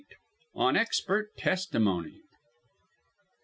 ON EXPERT TESTIMONY.